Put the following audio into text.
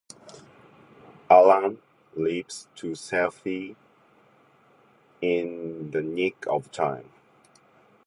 Alan leaps to safety in the nick of time.